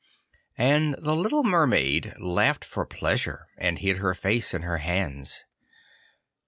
And the little Mermaid laughed for pleasure and hid her face in her hands.